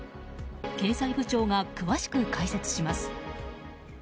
経済部長が詳しく解説します。